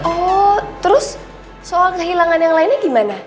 oh terus soal kehilangan yang lainnya gimana